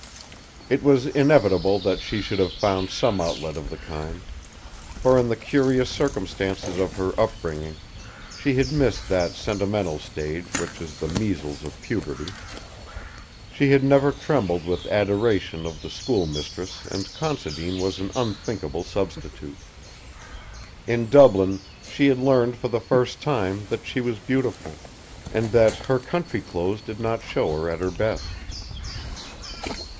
It was inevitable that she should have found some outlet of the kind, for in the curious circumstances of her upbringing she had missed that sentimental stage which is the measles of puberty. She had never trembled with adoration of a schoolmistress and Considine was an unthinkable substitute. In Dublin she had learned for the first time that she was beautiful, and that her country clothes did not show her at her best.